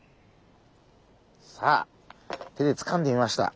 さあ手でつかんでみました。